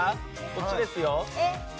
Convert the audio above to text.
こっちですよ。